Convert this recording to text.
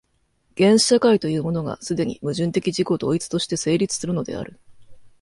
原始社会というものが、既に矛盾的自己同一として成立するのである。